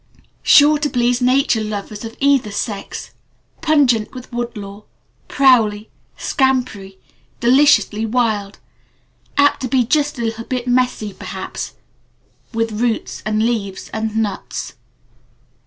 (Sure to please Nature Irregular. Lovers of Either Sex. Pungent with wood lore. Prowly. Scampery. Deliciously wild. Apt to be just a little bit messy perhaps with roots and leaves and nuts.)